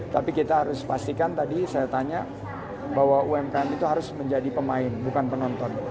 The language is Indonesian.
tapi kita harus pastikan tadi saya tanya bahwa umkm itu harus menjadi pemain bukan penonton